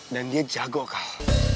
dan dia jago kak